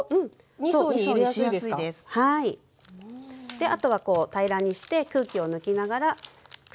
であとはこう平らにして空気を抜きながら口を閉じて下さい。